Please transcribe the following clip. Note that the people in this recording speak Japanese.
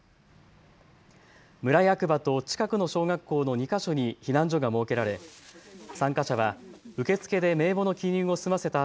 村役場と近くの小学校の２か所に避難所が設けられ参加者は受付で名簿の記入を済ませた